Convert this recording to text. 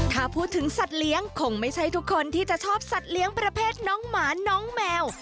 ถ้าพูดถึงสัตว์เลี้ยงคงไม่ใช่ทุกคนที่จะชอบสัตว์เลี้ยงประเภทน้องหมาน้องแมว